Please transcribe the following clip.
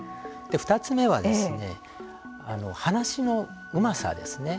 ２つ目は話のうまさですね。